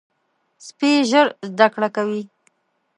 سپي ژر زده کړه کوي.